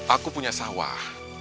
aku punya sawah